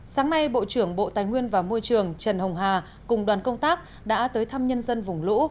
sáng nay bộ trưởng bộ tài nguyên và môi trường trần hồng hà cùng đoàn công tác đã tới thăm nhân dân vùng lũ